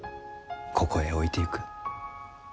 ここへ置いてゆく。